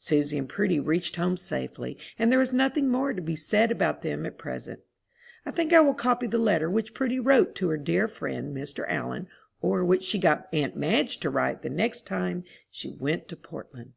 Susy and Prudy reached home safely, and there is nothing more to be said about them at present. I think I will copy the letter which Prudy wrote to her dear friend, Mr. Allen, or which she got aunt Madge to write the next time she went to Portland.